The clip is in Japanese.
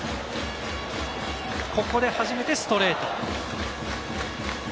ここで初めてストレート。